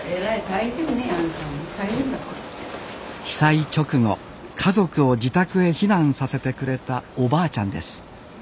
被災直後家族を自宅へ避難させてくれたおばあちゃんです